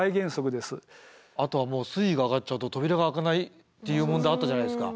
あとはもう水位が上がっちゃうと扉が開かないっていう問題あったじゃないですか。